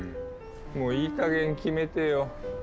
もういいかげん決めてよ。